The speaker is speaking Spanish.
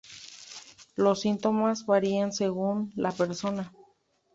Los síntomas varían según la persona.